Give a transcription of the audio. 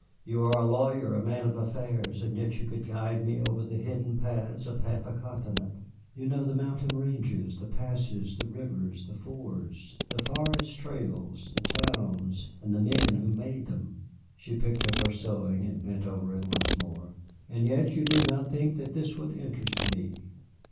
You are a lawyer, a man of affairs, and yet you could guide me over the hidden paths of half a continent. You know the mountain ranges, the passes, the rivers, the fords, the forest trails, the towns and the men who made them!" She picked up her sewing and bent over it once more. "And yet you did not think that this would interest me."